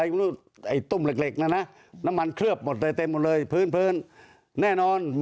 มีแหลกน้ำมันเคลือบมันเลยเพลินแน่นอน